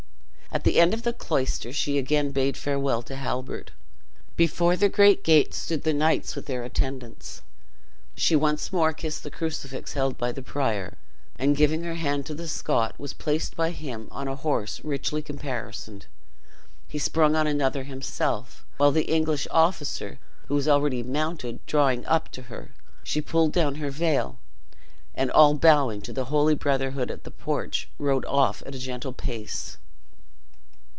At the end of the cloister she again bade farewell to Halbert. Before the great gates stood the knights with their attendants. She once more kissed the crucifix held by the prior, and giving her hand to the Scot, was placed by him on a horse richly caparisoned. He sprung on another himself, while the English officer, who was already mounted, drawing up to her, she pulled down her veil, and all bowing to the holy brotherhood at the porch, rode off at a gentle pace.